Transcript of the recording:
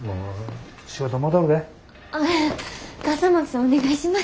お願いします。